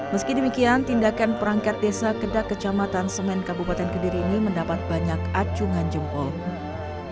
meski demikian tindakan perangkat desa kedak kecamatan semen kabupaten kediri ini mendapat banyak acungan jempol